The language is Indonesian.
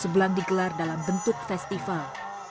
sebelang di gelar dalam bentuk festival